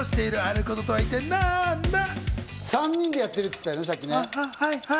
３人でやってるって言ったよね、さっき。